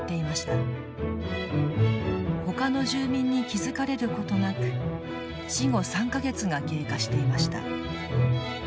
ほかの住民に気付かれることなく死後３か月が経過していました。